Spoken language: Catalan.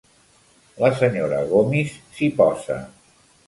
La senyora Gomis s'hi posa.